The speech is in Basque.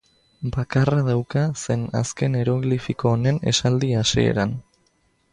Bakarra dauka zen azken eroglifiko honen esaldi hasiera.